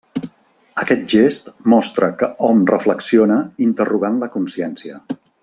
Aquest gest mostra que hom reflexiona interrogant la consciència.